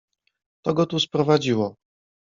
"To go tu sprowadziło."